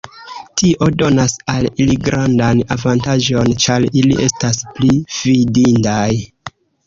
Tio donas al ili grandan avantaĝon ĉar ili estas pli fidindaj.